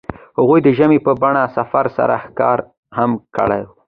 هغوی د ژمنې په بڼه سفر سره ښکاره هم کړه.